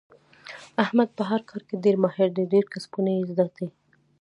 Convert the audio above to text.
احمد په هر کار کې ډېر ماهر دی. ډېر کسبونه یې زده دي.